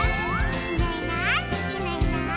「いないいないいないいない」